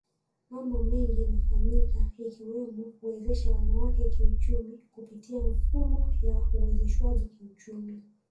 Mambo mengi yamefanyika ikiwemo kuwezesha wanawake kiuchumi kupitia mifuko ya uwezeshwaji kiuchumi